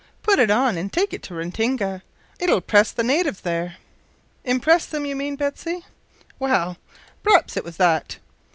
Put it on an' take it to Ratinga, it'll press the natives there.'" "Impress them, you mean, Betsy." "Well, p'raps it was that.